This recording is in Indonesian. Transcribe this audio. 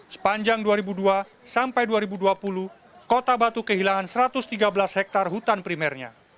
sepanjang dua ribu dua sampai dua ribu dua puluh kota batu kehilangan satu ratus tiga belas hektare hutan primernya